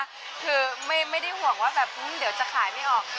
คือไม่ได้ห่วงว่าแบบเดี๋ยวจะขายไม่ออก